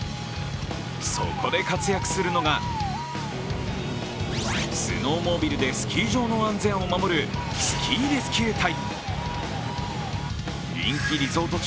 そこで活躍するのがスノーモービルでスキー場の安全を守るスキーレスキュー隊。